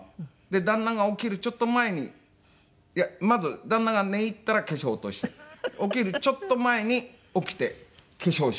旦那が起きるちょっと前にいやまず旦那が寝入ったら化粧落として起きるちょっと前に起きて化粧して。